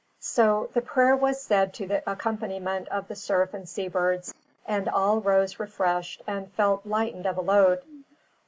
So the prayer was said to the accompaniment of the surf and seabirds, and all rose refreshed and felt lightened of a load.